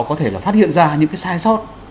có thể phát hiện ra những cái sai sót